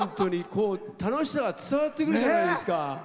楽しさが伝わってくるじゃないですか。